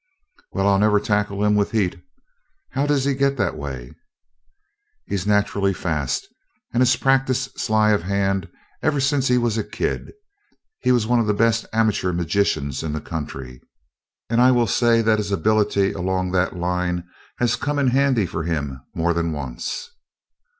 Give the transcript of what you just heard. "Well, I'll never tackle him with heat. How does he get that way?" "He's naturally fast, and has practiced sleight of hand work ever since he was a kid. He's one of the best amateur magicians in the country, and I will say that his ability along that line has come in handy for him more than once."